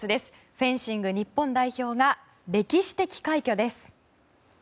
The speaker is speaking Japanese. フェンシング日本代表が歴史的快挙です。